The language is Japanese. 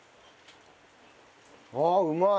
ああうまい！